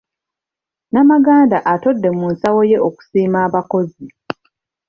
Namaganda atodde mu nsawo ye okusiima abakozi.